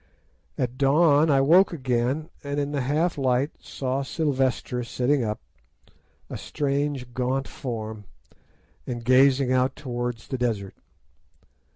At dawn I woke again, and in the half light saw Silvestre sitting up, a strange, gaunt form, and gazing out towards the desert.